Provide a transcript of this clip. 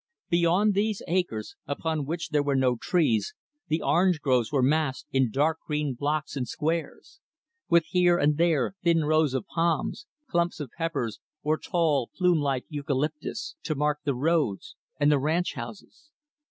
Beyond these acres upon which there were no trees the orange groves were massed in dark green blocks and squares; with, here and there, thin rows of palms; clumps of peppers; or tall, plume like eucalyptus; to mark the roads and the ranch homes.